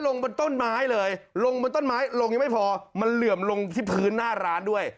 ลงบนต้นไม้เลยลงบนต้นไม้ลงยังไม่พอมันเหลื่อมลงที่พื้นหน้าร้านด้วย